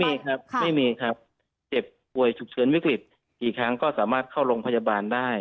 ไม่มีครับไม่มีครับเจ็บป่วยฉุกเฉินวิกฤตกี่ครั้งก็สามารถเข้าโรงพยาบาลได้